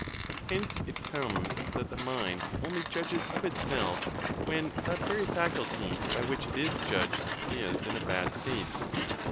Hence it comes that the mind only judges of itself when that very faculty by which it is judged is in a bad state.